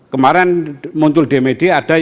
kemarin muncul di media ada